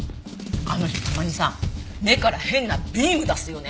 あの人たまにさ目から変なビーム出すよね。